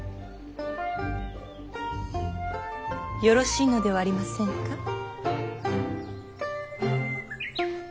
よろしいのではありませんか。